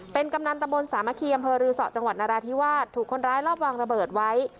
เป็นกำนันตะบนสามัคคีอำเภอรือสอจังหวัดนราธิวาสถูกคนร้ายรอบวางระเบิดไว้